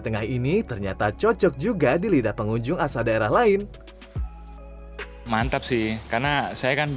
tengah ini ternyata cocok juga di lidah pengunjung asal daerah lain mantap sih karena saya kan